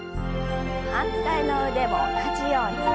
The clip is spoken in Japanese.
反対の腕も同じように。